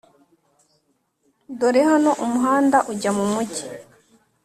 dore hano umuhanda ujya mumujyi;